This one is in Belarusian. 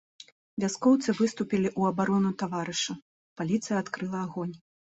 Вяскоўцы выступілі ў абарону таварыша, паліцыя адкрыла агонь.